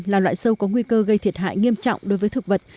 là loại sâu có nguy cơ gây thiệt hại nghiêm trọng đối với thực vật